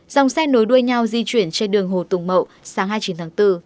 dòng xe nối đuôi nhau di chuyển trên đường hồ tùng mậu sáng hai mươi chín tháng bốn